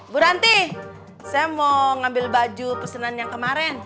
bu ranti saya mau ngambil baju pesenan yang kemarin